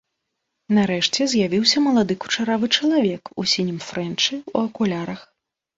Нарэшце з'явіўся малады кучаравы чалавек у сінім фрэнчы, у акулярах.